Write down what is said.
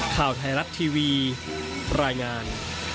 ข่าวไทยรัฐทีวีรายงาน